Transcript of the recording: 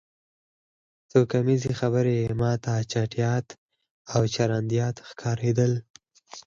توکمیزې خبرې ما ته چټیات او چرندیات ښکارېدل